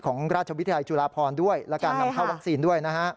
ราชวิทยาลจุฬาพรด้วยและการนำเข้าวัคซีนด้วยนะฮะ